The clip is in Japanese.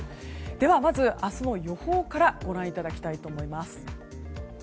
ではまず明日の予報からご覧いただきたいと思います。